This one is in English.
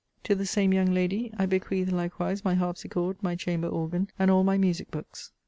To the same young lady I bequeath likewise my harpsichord, my chamber organ, and all my music books.